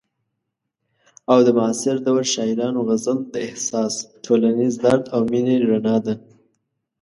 او د معاصر دور شاعرانو غزل د احساس، ټولنیز درد او مینې رڼا ده.